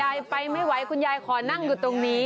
ยายไปไม่ไหวคุณยายขอนั่งอยู่ตรงนี้